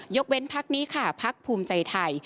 ยกเว้นพักนี้ค่ะพักภูมิใจไทย